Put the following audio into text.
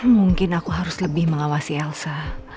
mungkin aku harus lebih mengawasi elsa